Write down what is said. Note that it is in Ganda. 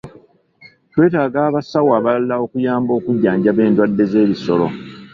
Twetaaga abasawo abalala okuyamba okujjanjaba endwadde z'ebisolo.